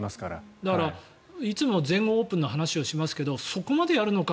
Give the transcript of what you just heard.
だからいつも全豪オープンの話をしますけどそこまでやるのか？